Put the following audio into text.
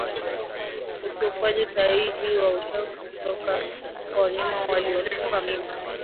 Utupwaji sahihi wa uchafu kutoka kwa wanyama waliotupa mimba